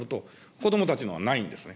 子どもたちのはないんですね。